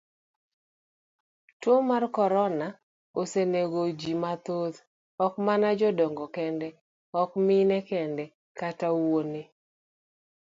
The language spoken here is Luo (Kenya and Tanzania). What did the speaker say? Tuo mar korona osenegoji mathoth ok mana jodongo kende, ok mine kende kata wuone.